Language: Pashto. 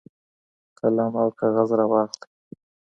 قلم او کاغذ راواخلئ.